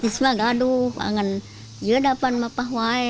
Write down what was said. tapi biasa memang ada apa apa